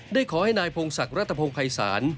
ได้ขอให้นายพงศักรัฐพงภัยศาล